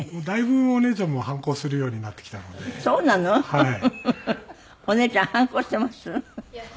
はい。